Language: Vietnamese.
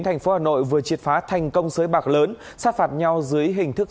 thành phố hà nội vừa triệt phá thành công sới bạc lớn sát phạt nhau dưới hình thức